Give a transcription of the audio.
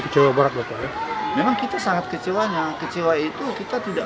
kecewa banget memang kita sangat kecewanya kecewa itu kita tidak